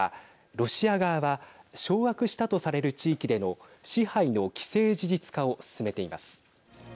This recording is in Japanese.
ロシア側は掌握したとされる地域での支配の既成事実化を進めています。